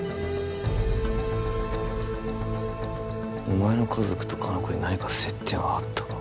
お前の家族と香菜子に何か接点はあったか？